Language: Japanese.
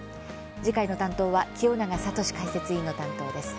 次回の担当は清永聡解説委員です。